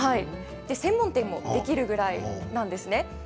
専門店もできるぐらいなんです。